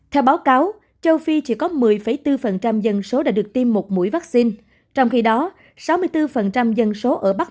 theo báo cáo châu phi chỉ có một mươi bốn dân số đã được tiêm một mũi vaccine trong khi đó sáu mươi bốn dân số ở bắc